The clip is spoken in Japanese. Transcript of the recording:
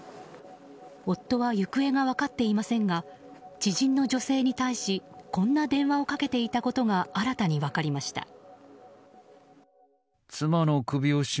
夫は行方が分かっていませんが知人の女性に対しこんな電話をかけていたことが新たに分かりました。